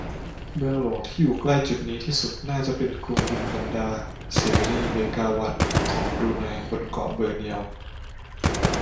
เมืองหลวงที่อยู่ใกล้จุดนี้ที่สุดน่าจะเป็นกรุงบินบันดาร์ เสรี เบกาวัน ของบรูไน บนเกาะบอร์เนียว